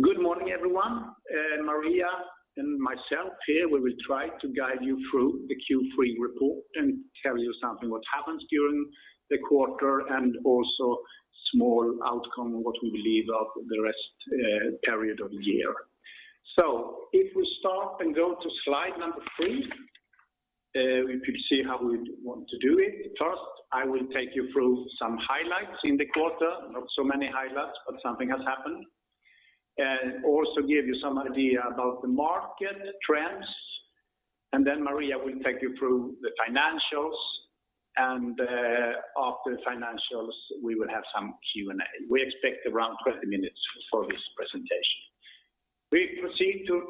Good morning, everyone. Maria and myself here, we will try to guide you through the Q3 report and tell you something what happens during the quarter, and also small outcome of what we believe of the rest period of the year. If we start and go to slide three, we could see how we want to do it. First, I will take you through some highlights in the quarter, not so many highlights, but something has happened, and also give you some idea about the market trends. Maria will take you through the financials, and after financials, we will have some Q&A. We expect around 20 minutes for this presentation. We proceed to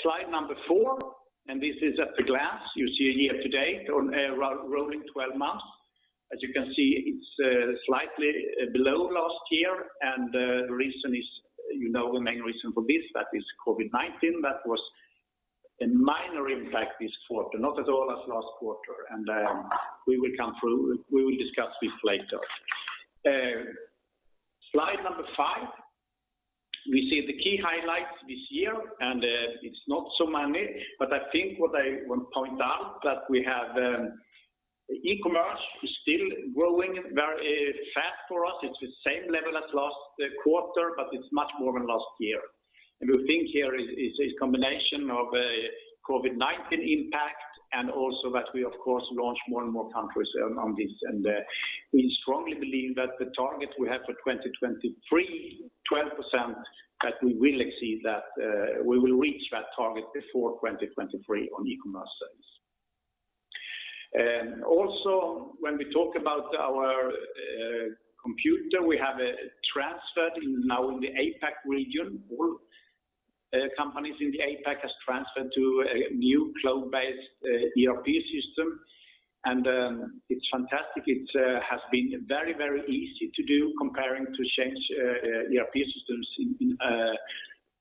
slide four. This is at a glance. You see a year to date on a rolling 12 months. As you can see, it's slightly below last year. The main reason for this that is COVID-19. That was a minor impact this quarter, not at all as last quarter. We will discuss this later. Slide number five. We see the key highlights this year, and it's not so many, but I think what I want to point out that we have e-commerce is still growing very fast for us. It's the same level as last quarter, but it's much more than last year. We think here is a combination of a COVID-19 impact and also that we of course launch more and more countries on this. We strongly believe that the target we have for 2023, 12%, that we will exceed that. We will reach that target before 2023 on e-commerce sales. Also, when we talk about our computer, we have transferred now in the APAC region. All companies in the APAC has transferred to a new cloud-based ERP system. It's fantastic. It has been very easy to do comparing to change ERP systems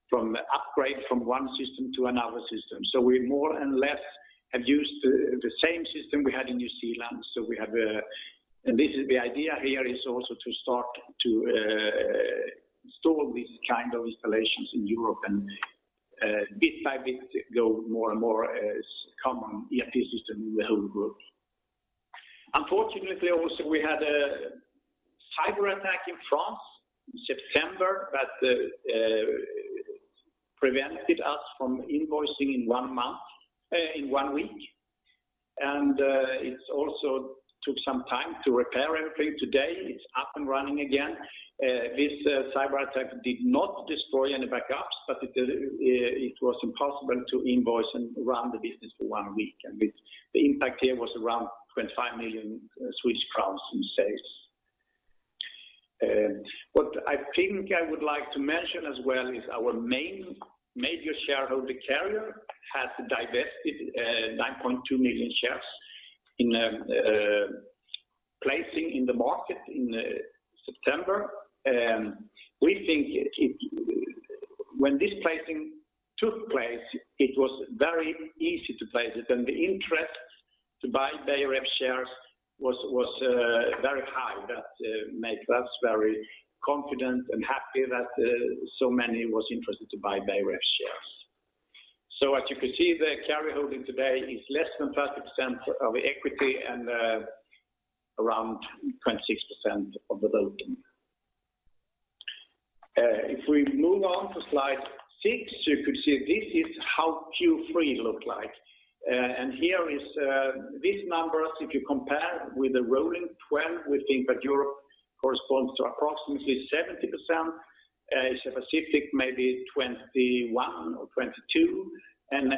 from upgrade from one system to another system. We more and less have used the same system we had in New Zealand. The idea here is also to start to install these kind of installations in Europe and bit by bit go more and more as common ERP system in the whole group. Unfortunately, also, we had a cyber attack in France in September that prevented us from invoicing in one week. It also took some time to repair everything. Today, it's up and running again. This cyber attack did not destroy any backups. It was impossible to invoice and run the business for one week. The impact here was around 25 million crowns in sales. What I think I would like to mention as well is our major shareholder, Carrier, has divested 9.2 million shares in placing in the market in September. When this placing took place, it was very easy to place it. The interest to buy Beijer Ref shares was very high. That make us very confident and happy that so many was interested to buy Beijer Ref shares. As you can see, the Carrier holding today is less than 30% of equity and around 26% of the voting. If we move on to slide six, you could see this is how Q3 look like. These numbers, if you compare with the rolling 12, we think that Europe corresponds to approximately 70%, Asia-Pacific maybe 21% or 22%, and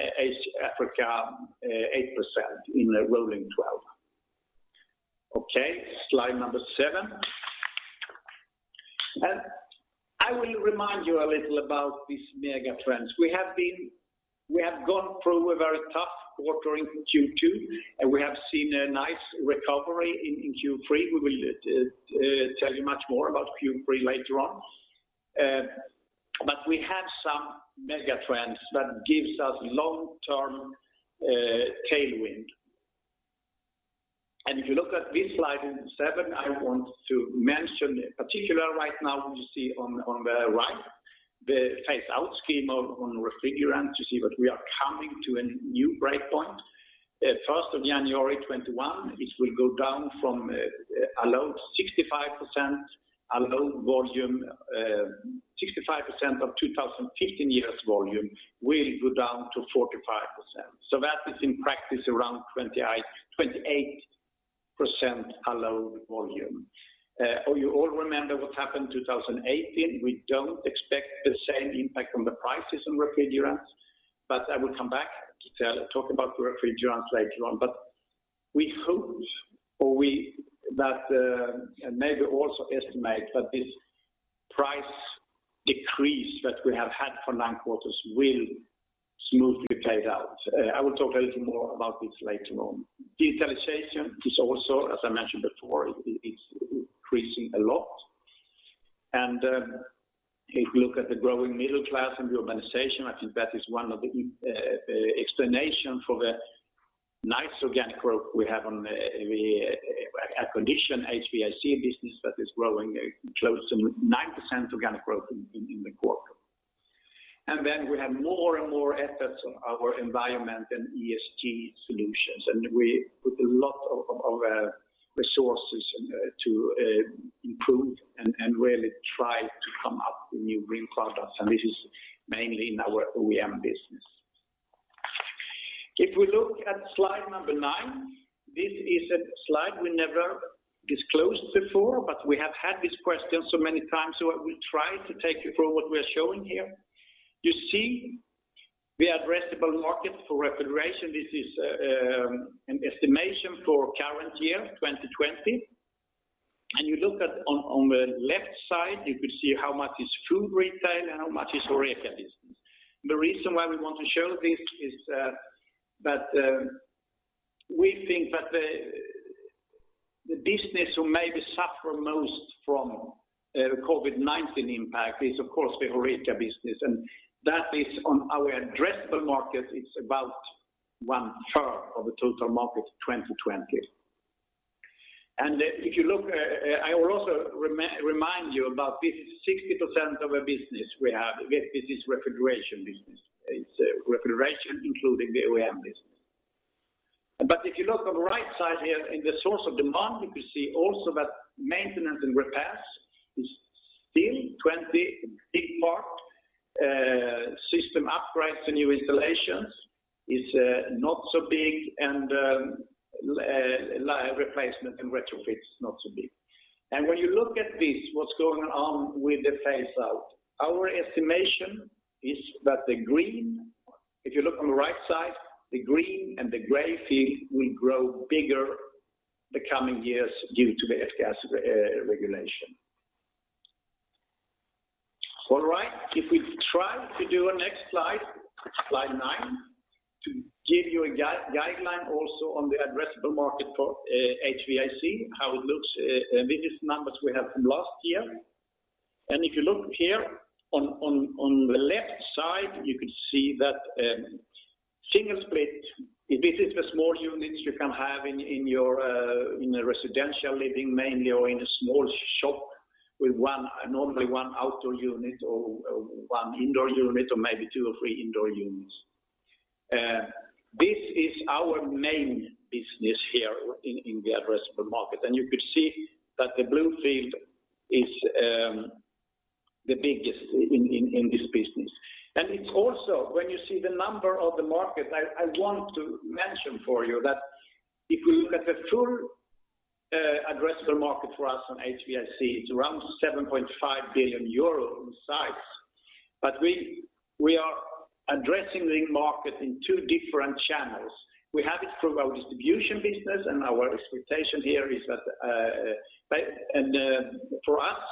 Africa 8% in a rolling 12. Okay, slide number seven. I will remind you a little about these mega trends. We have gone through a very tough quarter in Q2. We have seen a nice recovery in Q3. We will tell you much more about Q3 later on. We have some mega trends that gives us long-term tailwind. If you look at this slide seven, I want to mention in particular right now, you see on the right the phase out scheme on refrigerants. You see that we are coming to a new breakpoint. January 1, 2021, it will go down from a load 65%, a load volume 65% of 2015 year's volume will go down to 45%. That is in practice around 28% allowed volume. You all remember what happened 2018. We don't expect the same impact on the prices on refrigerants, but I will come back to talk about refrigerants later on. We hope or we that maybe also estimate that this price decrease that we have had for nine quarters will smoothly play out. I will talk a little more about this later on. Digitalization is also, as I mentioned before, it's increasing a lot. If you look at the growing middle class and urbanization, I think that is one of the explanation for the nice organic growth we have on the air-conditioned HVAC business that is growing close to 9% organic growth in the quarter. We have more and more efforts on our environment and ESG solutions, and we put a lot of our resources to improve and really try to come up with new green products. This is mainly in our OEM business. If we look at slide number nine, this is a slide we never disclosed before, but we have had this question so many times, so I will try to take you through what we're showing here. You see the addressable market for refrigeration. This is an estimation for current year, 2020. You look at on the left side, you could see how much is food retail and how much is HORECA business. The reason why we want to show this is that we think that the business who maybe suffer most from COVID-19 impact is, of course, the HORECA business. That is on our addressable market, it's about one-third of the total market 2020. If you look, I will also remind you about this is 60% of our business we have, this is refrigeration business. It's refrigeration, including the OEM business. If you look on the right side here, in the source of demand, you could see also that maintenance and repairs is still 20 big part. System upgrades to new installations is not so big, replacement and retrofits not so big. When you look at this, what's going on with the phase out, our estimation is that the green, if you look on the right side, the green and the gray field will grow bigger the coming years due to the F-gas regulation. All right, if we try to do a next slide nine, to give you a guideline also on the addressable market for HVAC, how it looks, these numbers we have from last year. If you look here on the left side, you could see that single split, this is the small units you can have in a residential living, mainly or in a small shop with normally one outdoor unit or one indoor unit, or maybe two or three indoor units. This is our main business here in the addressable market. You could see that the blue field is the biggest in this business. It's also, when you see the number of the market, I want to mention for you that if you look at the full addressable market for us on HVAC, it's around 7.5 billion euros in size. We are addressing the market in two different channels. We have it through our distribution business, for us,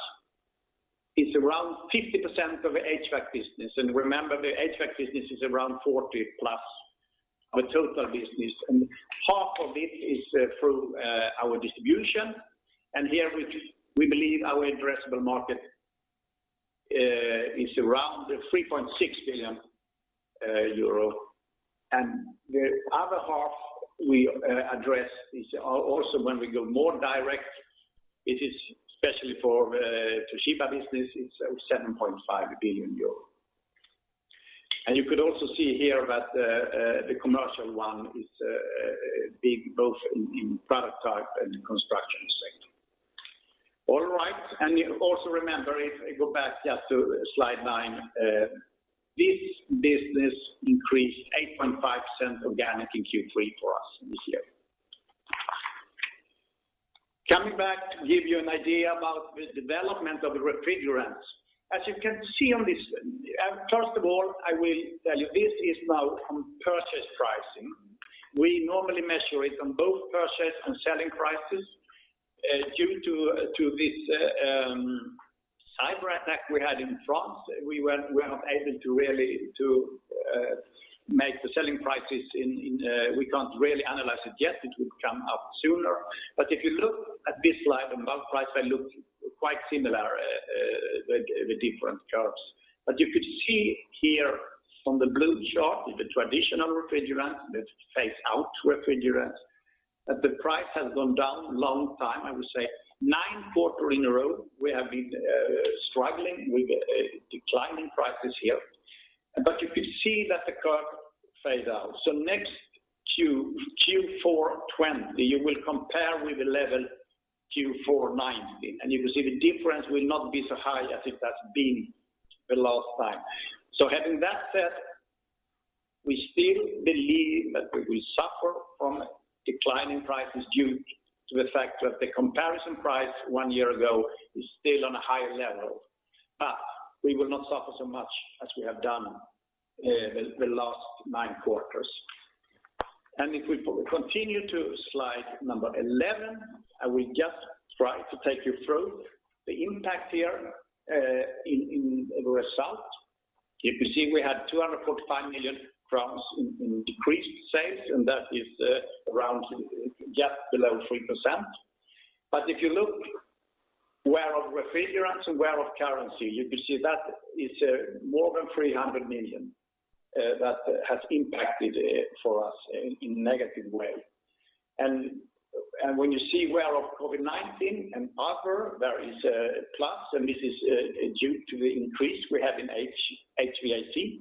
it's around 50% of HVAC business. Remember, the HVAC business is around 40+ of total business. Half of it is through our distribution. Here we believe our addressable market is around 3.6 billion euro. The other half we address is also when we go more direct, it is especially for Toshiba business, it's 7.5 billion euros. You could also see here that the commercial one is big both in product type and construction sector. All right, also remember, if I go back just to slide nine, this business increased 8.5% organic in Q3 for us this year. Coming back to give you an idea about the development of the refrigerants. As you can see on this, first of all, I will tell you, this is now from purchase pricing. We normally measure it on both purchase and selling prices. Due to this cyber attack we had in France, we're not able to make the selling prices. We can't really analyze it yet. It will come up sooner. If you look at this slide, the bulk price will look quite similar, the different curves. You could see here on the blue chart, the traditional refrigerant, the phase out refrigerant, that the price has gone down long time, I would say nine quarter in a row, we have been struggling with declining prices here. You could see that the curve phase out. Next Q4 2020, you will compare with the level Q4 2019, and you will see the difference will not be so high as it has been the last time. Having that said, we still believe that we will suffer from declining prices due to the fact that the comparison price one year ago is still on a higher level, but we will not suffer so much as we have done the last nine quarters. If we continue to slide number 11, I will just try to take you through the impact here in the result. You can see we had SEK 245 million in decreased sales, and that is just below 3%. If you look where of refrigerants and where of currency, you can see that is more than 300 million that has impacted for us in a negative way. When you see where of COVID-19 and other, there is a plus, and this is due to the increase we have in HVAC.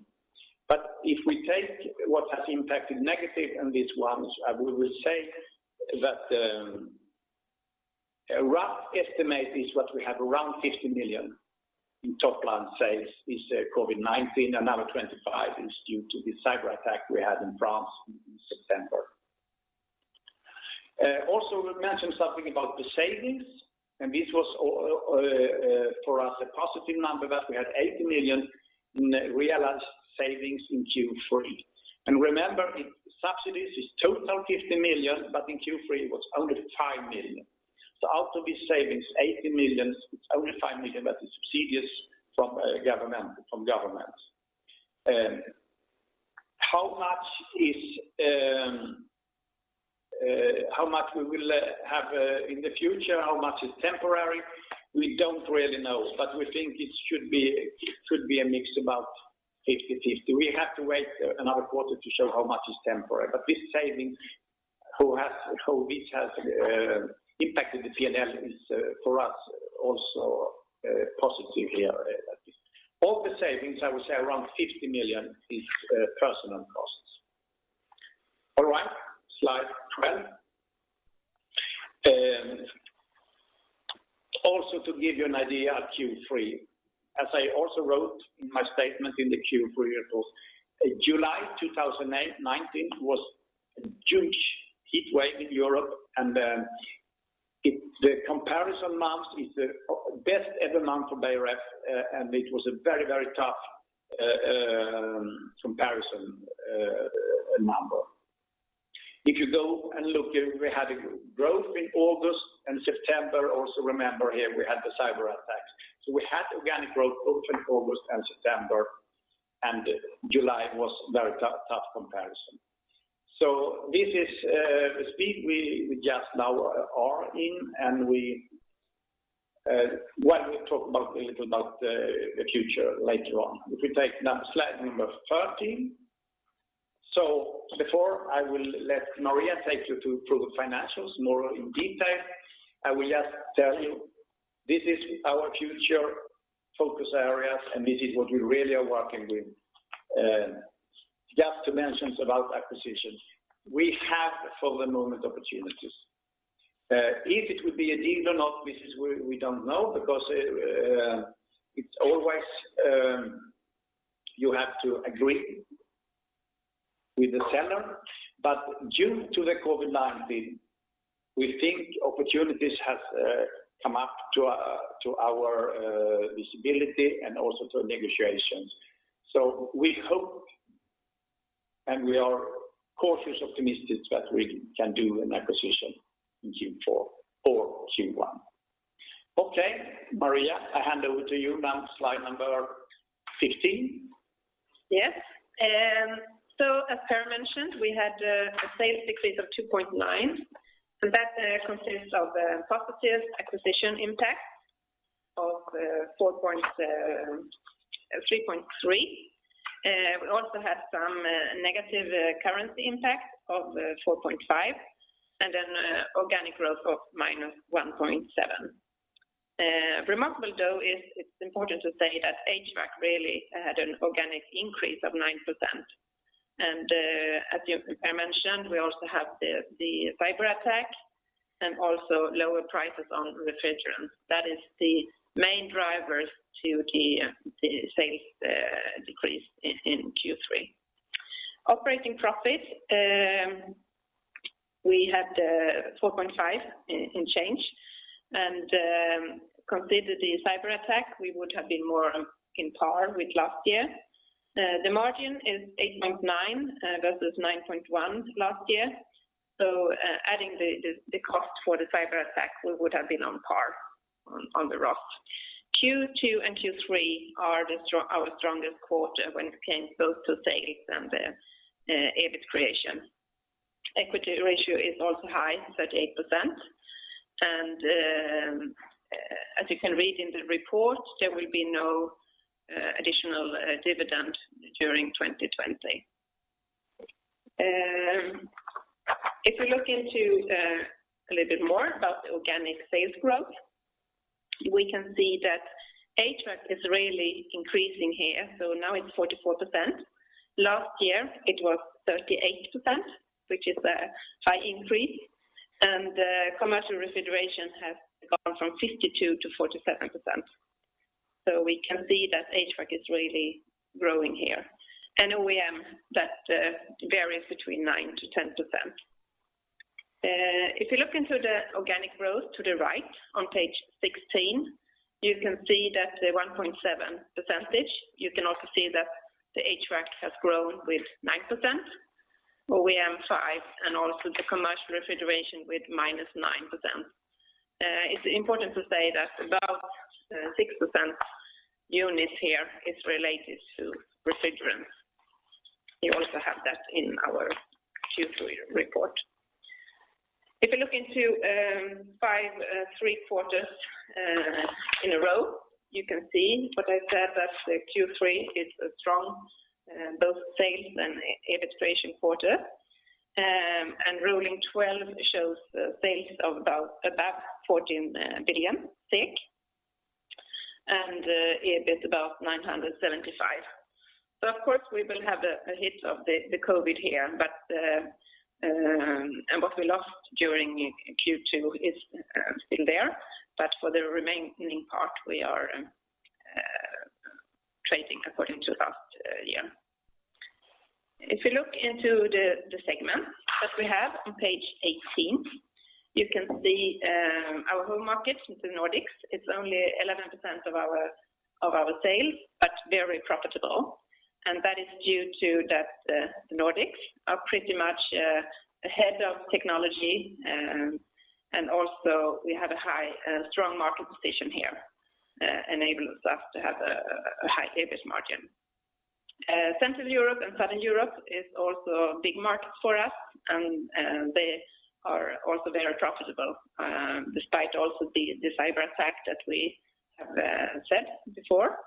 If we take what has impacted negative and these ones, we will say that a rough estimate is what we have around 50 million in top-line sales is COVID-19, another 25 million is due to the cyber attack we had in France in September. We mentioned something about the savings, and this was for us a positive number that we had 80 million in realized savings in Q3. Remember, in subsidies, it's total 50 million, but in Q3, it was only 5 million. Out of these savings, 80 million, it's only 5 million that is subsidies from government. How much we will have in the future, how much is temporary? We don't really know, but we think it should be a mix about 50/50. We have to wait another quarter to show how much is temporary. This saving, which has impacted the P&L is for us also positive here. Of the savings, I would say around 50 million is personal costs. All right, slide 12. Also to give you an idea of Q3, as I also wrote in my statement in the Q3 report, July 2019 was a huge heatwave in Europe and the comparison month is the best ever month for Beijer Ref, and it was a very tough comparison number. If you go and look, we had a growth in August and September. Also remember here we had the cyber attacks. We had organic growth both in August and September, and July was very tough comparison. This is the speed we just now are in and what we talk about a little about the future later on. If we take slide number 13. Before I will let Maria take you through the financials more in detail, I will just tell you this is our future focus areas, and this is what we really are working with. Just to mention about acquisitions, we have for the moment opportunities. If it will be a deal or not, this is we don't know because it's always you have to agree with the seller. Due to the COVID-19, we think opportunities have come up to our visibility and also to negotiations. We hope and we are cautious optimistic that we can do an acquisition in Q4 or Q1. Okay, Maria, I hand over to you now, slide number 15. As Per mentioned, we had a sales decrease of 2.9%, and that consists of a positive acquisition impact of 3.3%. We also had some negative currency impact of 4.5% and an organic growth of -1.7%. Remarkable though, it's important to say that HVAC really had an organic increase of 9%. As Per mentioned, we also have the cyber attack and also lower prices on refrigerants. That is the main drivers to the sales decrease in Q3. Operating profit, we had 4.5% in change and considering the cyber attack, we would have been more on par with last year. The margin is 8.9% versus 9.1% last year. Adding the cost for the cyber attack, we would have been on par on the ROF. Q2 and Q3 are our strongest quarter when it came both to sales and the EBIT creation. Equity ratio is also high, 38%. As you can read in the report, there will be no additional dividend during 2020. If we look into a little bit more about the organic sales growth, we can see that HVAC is really increasing here. Now it's 44%. Last year, it was 38%, which is a high increase, and commercial refrigeration has gone from 52% to 47%. We can see that HVAC is really growing here. OEM that varies between 9% to 10%. If you look into the organic growth to the right on page 16, you can see that the 1.7%, you can also see that the HVAC has grown with 9%. OEM 5% and also the commercial refrigeration with -9%. It's important to say that about 6% units here is related to refrigerants. You also have that in our Q3 report. If you look into five three quarters in a row, you can see what I said, that Q3 is a strong both sales and EBIT creation quarter. Rolling 12 shows sales of about 14 billion and EBIT about 975. Of course, we will have a hit of the COVID-19 here, and what we lost during Q2 is still there. For the remaining part, we are trading according to last year. If you look into the segment that we have on page 18, you can see our home market is the Nordics. It's only 11% of our sales, but very profitable. That is due to that the Nordics are pretty much ahead of technology. Also we have a strong market position here, enables us to have a high EBIT margin. Central Europe and Southern Europe is also a big market for us, and they are also very profitable, despite also the cyber attack that we have said before.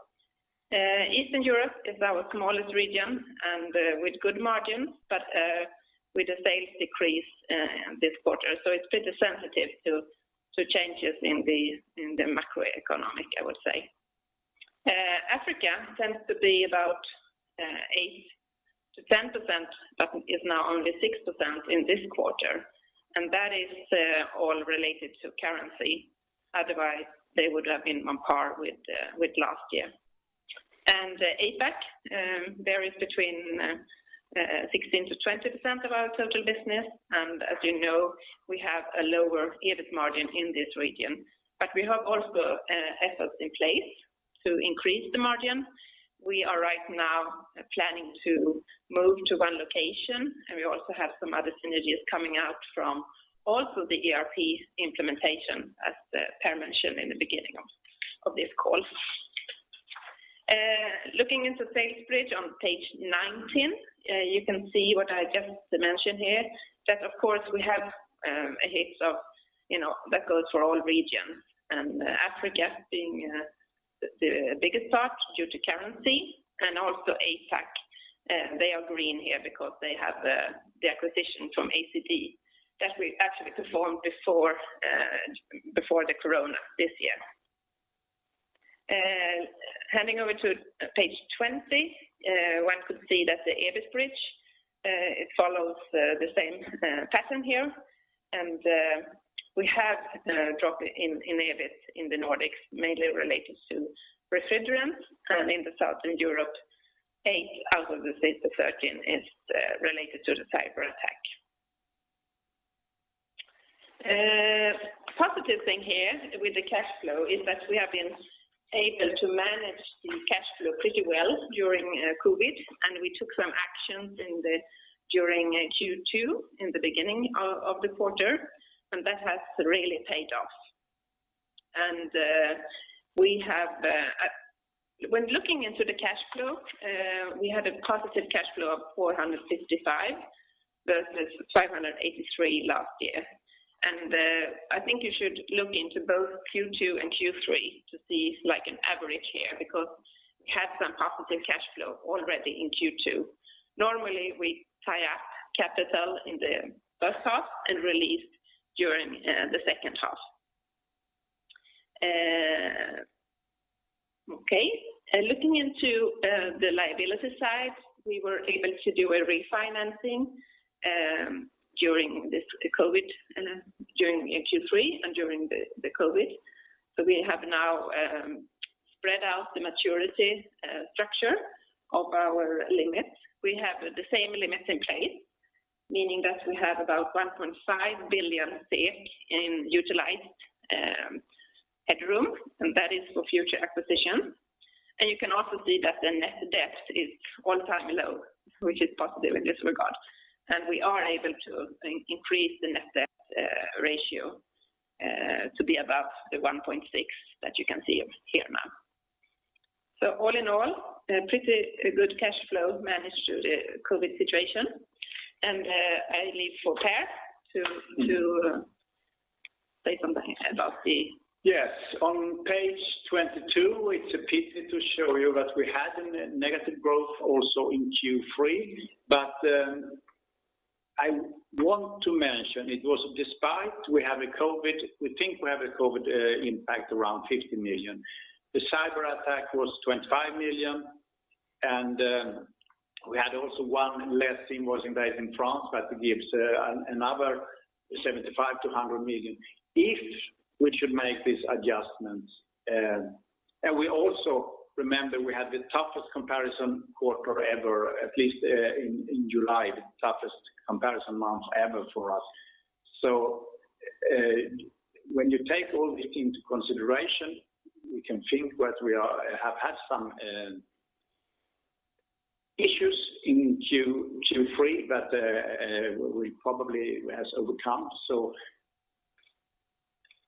Eastern Europe is our smallest region and with good margins, but with a sales decrease this quarter. It's pretty sensitive to changes in the macroeconomic, I would say. Africa tends to be about 8%-10%, but is now only 6% in this quarter, and that is all related to currency. Otherwise, they would have been on par with last year. The APAC varies between 16%-20% of our total business, and as you know, we have a lower EBIT margin in this region. We have also efforts in place to increase the margin. We are right now planning to move to one location, and we also have some other synergies coming out from also the ERP implementation, as Per mentioned in the beginning of this call. Looking into sales bridge on page 19, you can see what I just mentioned here, that of course, we have a hit that goes for all regions, and Africa being the biggest part due to currency and also APAC. They are green here because they have the acquisition from ACD that we actually performed before the COVID-19 this year. Handing over to page 20 one could see that the EBIT bridge, it follows the same pattern here. We have a drop in EBIT in the Nordics, mainly related to refrigerants and in the Southern Europe, eight out of the 13 is related to the cyber attack. A positive thing here with the cash flow is that we have been able to manage the cash flow pretty well during COVID-19, and we took some actions during Q2 in the beginning of the quarter, and that has really paid off. When looking into the cash flow, we had a positive cash flow of 455 versus 583 last year. I think you should look into both Q2 and Q3 to see an average here, because we had some positive cash flow already in Q2. Normally, we tie up capital in the first half and release during the second half. Okay, looking into the liability side, we were able to do a refinancing during Q3 and during the COVID-19. We have now spread out the maturity structure of our limits. We have the same limits in place, meaning that we have about 1.5 billion SEK in utilized headroom, that is for future acquisition. You can also see that the net debt is all-time low, which is positive in this regard. We are able to increase the net debt ratio to be above the 1.6 that you can see here now. All in all, pretty good cash flow managed through the COVID-19 situation. Yes. On page 22, it's a pity to show you that we had a negative growth also in Q3. I want to mention it was despite we have a COVID, we think we have a COVID impact around 50 million. The cyber attack was 25 million, and we had also one less trading day in France, but it gives another 75 million-100 million if we should make these adjustments. We also remember we had the toughest comparison quarter ever, at least in July, the toughest comparison month ever for us. When you take all into consideration, we can think that we have had some issues in Q3 that we probably have overcome.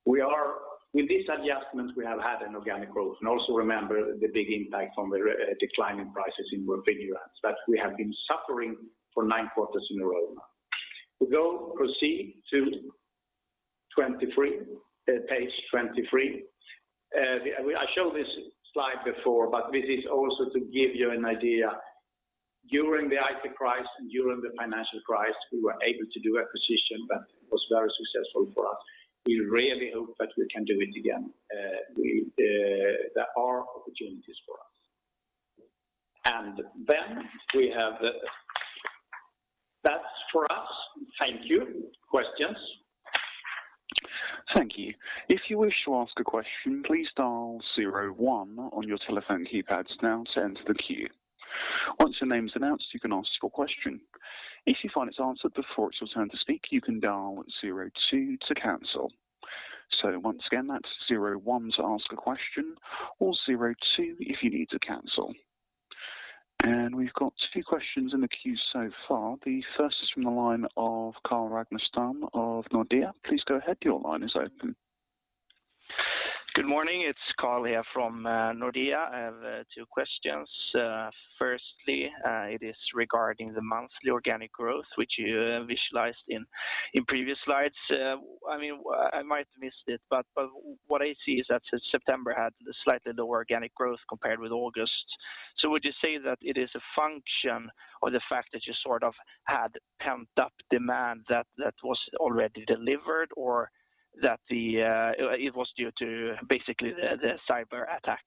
With these adjustments, we have had an organic growth. Also remember the big impact from the decline in prices in refrigerant that we have been suffering for nine quarters in a row now. We go proceed to page 23. I showed this slide before, this is also to give you an idea. During the IT crisis and during the financial crisis, we were able to do acquisition that was very successful for us. We really hope that we can do it again. There are opportunities for us. We have That's for us. Thank you. Questions? Thank you. If you wish to ask a question, please dial zero one on your telephone keypads now to enter the queue. Once your name's announced, you can ask your question. If you find it's answered before it's your turn to speak, you can dial zero two to cancel. Once again, that's zero one to ask a question or zero two if you need to cancel. We've got a few questions in the queue so far. The first is from the line of Carl Ragnerstam of Nordea. Please go ahead. Your line is open. Good morning. It's Carl here from Nordea. I have two questions. It is regarding the monthly organic growth, which you visualized in previous slides. I might have missed it, what I see is that since September had slightly lower organic growth compared with August. Would you say that it is a function of the fact that you sort of had pent up demand that was already delivered or that it was due to basically the cyberattack?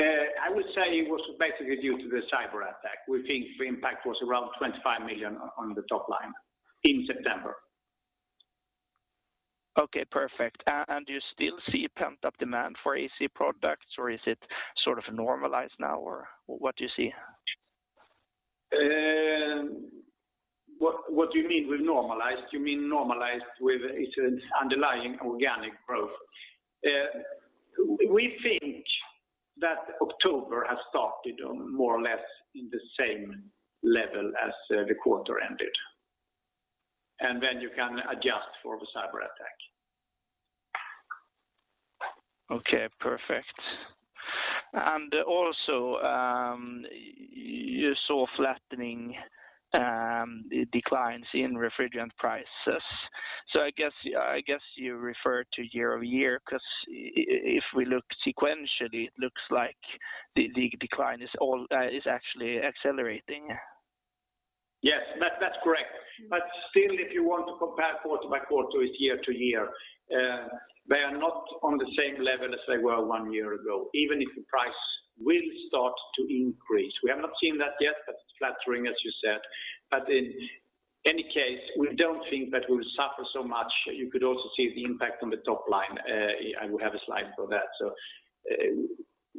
I would say it was basically due to the cyberattack. We think the impact was around 25 million on the top line in September. Okay, perfect. Do you still see pent up demand for AC products or is it sort of normalized now or what do you see? What do you mean with normalized? Do you mean normalized with its underlying organic growth? We think that October has started on more or less in the same level as the quarter ended. Then you can adjust for the cyberattack. Okay, perfect. Also, you saw flattening declines in refrigerant prices. I guess you refer to year-over-year because if we look sequentially, it looks like the decline is actually accelerating. Yes, that's correct. If you want to compare quarter by quarter with year to year, they are not on the same level as they were one year ago, even if the price will start to increase. We have not seen that yet but it's flattening, as you said. We don't think that we'll suffer so much. You could also see the impact on the top line. I will have a slide for that.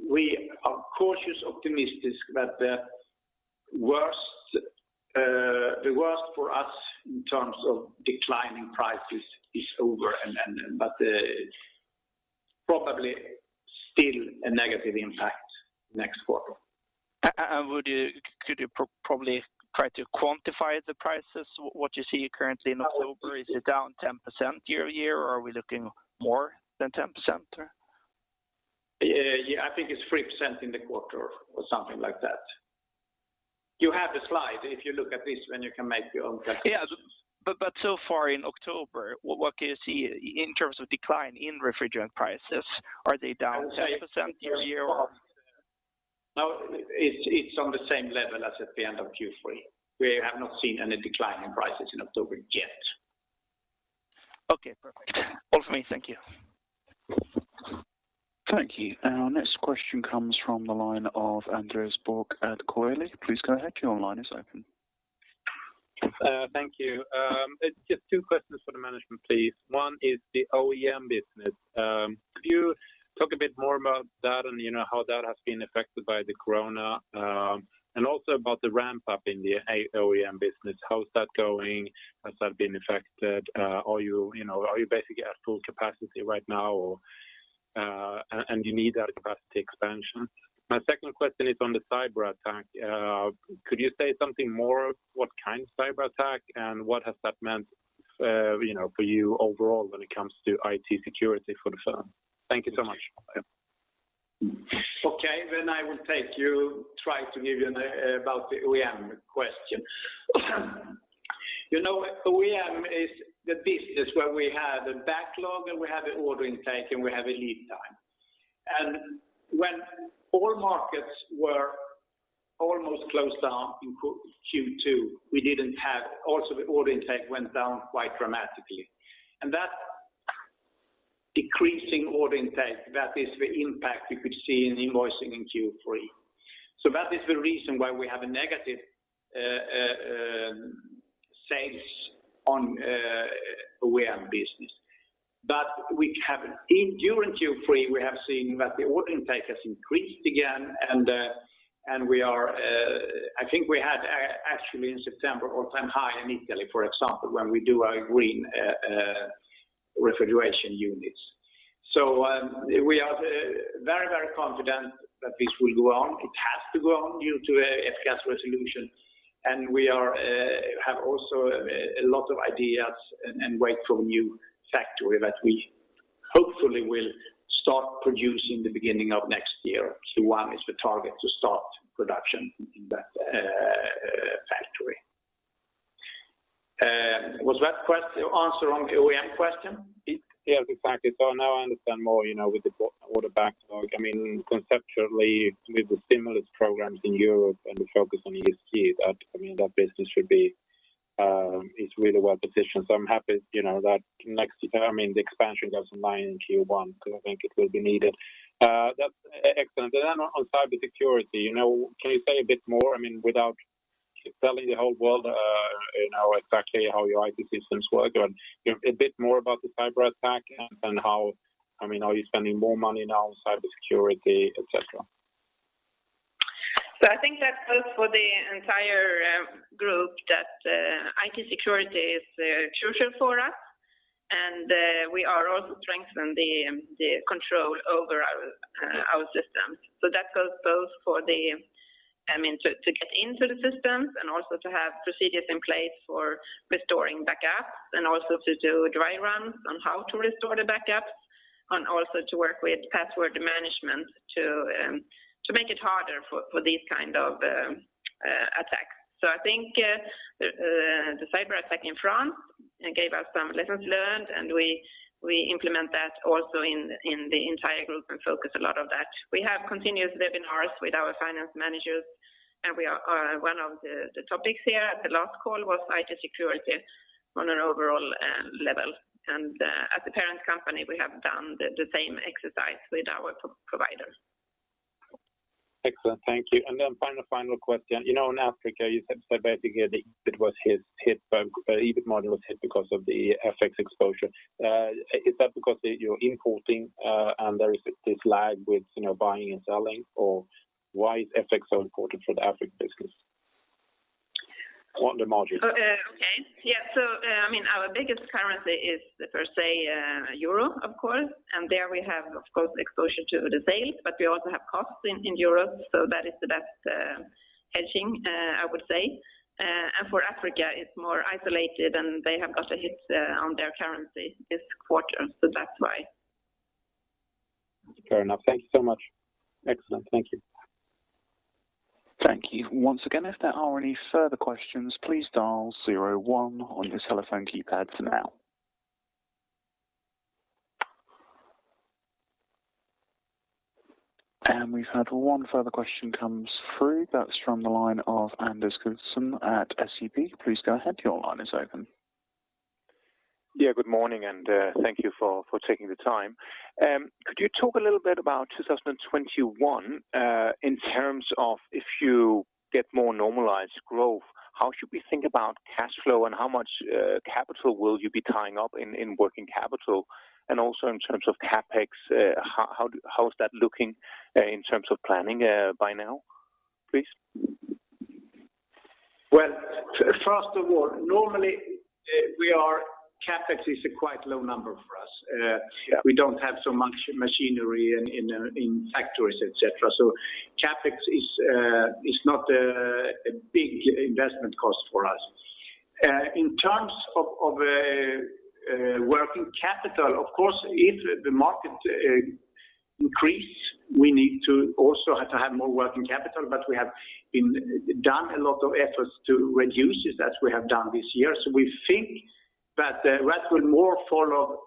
We are cautious optimists that the worst for us in terms of declining prices is over but probably still a negative impact next quarter. Could you probably try to quantify the prices? What you see currently in October, is it down 10% year-over-year or are we looking more than 10%? Yeah, I think it's 3% in the quarter or something like that. You have the slide. If you look at this one, you can make your own calculations. Yeah. So far in October, what can you see in terms of decline in refrigerant prices? Are they down 10% year-over-year or? No, it's on the same level as at the end of Q3. We have not seen any decline in prices in October yet. Okay, perfect. All for me. Thank you. Thank you. Our next question comes from the line of Andreas Borg at Cowley. Please go ahead. Your line is open. Thank you. Just two questions for the management, please. One is the OEM business. Could you talk a bit more about that and how that has been affected by COVID-19? Also about the ramp up in the OEM business, how is that going? Has that been affected? Are you basically at full capacity right now or you need that capacity expansion? My second question is on the cyberattack. Could you say something more what kind of cyberattack and what has that meant for you overall when it comes to IT security for the firm? Thank you so much. I will take you try to give you about the OEM question. OEM is the business where we have a backlog and we have an order intake and we have a lead time. When all markets were almost closed down in Q2, the order intake went down quite dramatically. That decreasing order intake, that is the impact you could see in invoicing in Q3. That is the reason why we have a negative sales on OEM business. During Q3, we have seen that the order intake has increased again, and I think we had, actually in September, all-time high in Italy, for example, when we do our green refrigeration units. We are very confident that this will go on. It has to go on due to F-gas regulation. We have also a lot of ideas and wait for a new factory that we hopefully will start producing the beginning of next year. Q1 is the target to start production in that factory. Was that answer on the OEM question? Yes, exactly. Now I understand more with the order backlog. Conceptually, with the stimulus programs in Europe and the focus on ESG, that business is really well-positioned. I'm happy that the expansion goes online in Q1, because I think it will be needed. That's excellent. On cybersecurity, can you say a bit more, without telling the whole world exactly how your IT systems work? A bit more about the cyber attack and are you spending more money now on cybersecurity, et cetera? I think that goes for the entire group that IT security is crucial for us, and we are also strengthening the control over our systems. That goes both for getting into the systems, and also to have procedures in place for restoring backups, and also to do dry runs on how to restore the backups, and also to work with password management to make it harder for these kind of attacks. I think the cyber attack in France gave us some lessons learned, and we implement that also in the entire group and focus a lot on that. We have continuous webinars with our finance managers, and one of the topics here at the last call was IT security on an overall level. As a parent company, we have done the same exercise with our providers. Excellent, thank you. Then final question. In Africa, you said basically the EBIT model was hit because of the FX exposure. Is that because you're importing, and there is this lag with buying and selling? Why is FX so important for the Africa business on the margin? Okay. Yeah, our biggest currency is per se Euro, of course, and there we have, of course, exposure to the sales. We also have costs in Europe, so that is the best hedging, I would say. For Africa, it's more isolated, and they have got a hit on their currency this quarter, so that's why. Fair enough. Thank you so much. Excellent. Thank you. Thank you. Once again, if there are any further questions, please dial 01 on your telephone keypads now. We've had one further question come through. That's from the line of Anders Gustafsson at SEB. Please go ahead. Your line is open. Yeah, good morning, and thank you for taking the time. Could you talk a little bit about 2021 in terms of if you get more normalized growth, how should we think about cash flow and how much capital will you be tying up in working capital? Also in terms of CapEx, how is that looking in terms of planning by now, please? Well, first of all, normally, CapEx is a quite low number for us. Yeah. We don't have so much machinery in factories, et cetera. CapEx is not a big investment cost for us. In terms of working capital, of course, if the market increases, we need to also have more working capital. We have done a lot of efforts to reduce it, as we have done this year. We think that that will more follow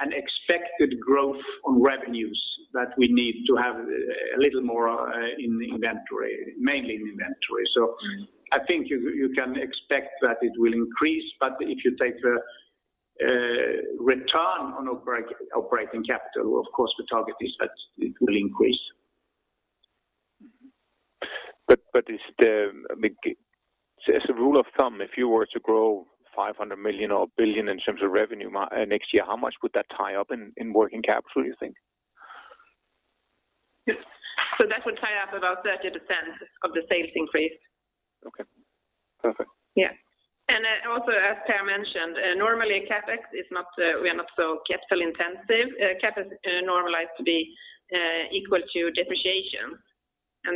an expected growth on revenues that we need to have a little more in inventory, mainly in inventory. I think you can expect that it will increase, but if you take a return on operating capital, of course the target is that it will increase. As a rule of thumb, if you were to grow 500 million or 1 billion in terms of revenue next year, how much would that tie up in working capital, you think? That would tie up about 30% of the sales increase. Okay. Perfect. Also as Per mentioned, normally CapEx, we are not so capital intensive. CapEx normalized to be equal to depreciation.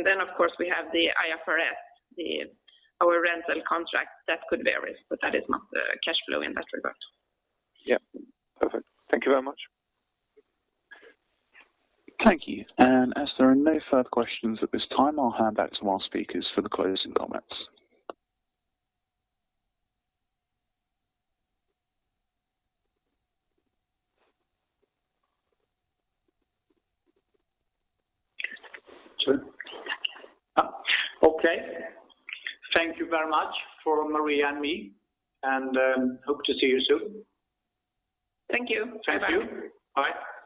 Then, of course, we have the IFRS, our rental contract. That could vary, but that is not cash flow in that regard. Yeah. Perfect. Thank you very much. Thank you. As there are no further questions at this time, I'll hand back to our speakers for the closing comments. Sure. Thank you. Okay. Thank you very much for Maria and me. Hope to see you soon. Thank you. Bye-bye. Thank you. Bye.